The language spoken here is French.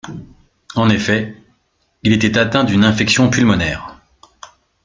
En effet, il était atteint d'une infection pulmonaire.